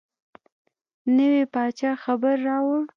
نوي پاچا خبر راووړ.